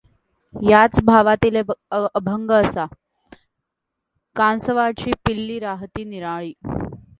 याच भावातील एक अभंग असाः कांसवीची पिलीं राहती निराळीं ।